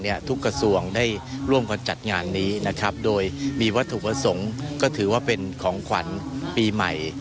ทุกกระทรวงได้ร่วมกันจัดงานนี้นะครับโดยมีวัตถุประสงค์ก็ถือว่าเป็นของขวัญปีใหม่